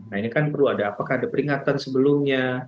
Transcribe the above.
nah ini kan perlu ada apakah ada peringatan sebelumnya